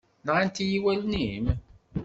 Nɣant-iyi wallen-im?